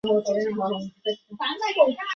信众约百人。